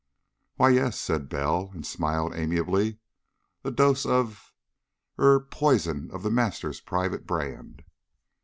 "Why, yes," said Bell, and smiled amiably. "A dose of er poison of The Master's private brand."